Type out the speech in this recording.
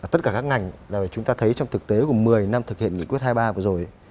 tất cả các ngành là chúng ta thấy trong thực tế của một mươi năm thực hiện nghị quyết hai mươi ba vừa rồi